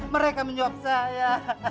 mereka menyuap saya